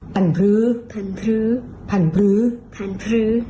พรรด